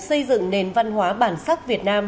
xây dựng nền văn hóa bản sắc việt nam